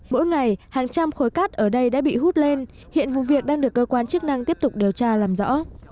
mỗi ngày hàng trăm khối cát ở đây đã bị hút lên hiện vụ việc đang được cơ quan chức năng tiếp tục điều tra làm rõ